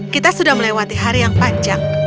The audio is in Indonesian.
kita sudah melewati hari yang panjang